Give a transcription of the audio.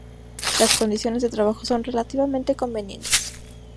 Las condiciones de trabajo son relativamente convenientes.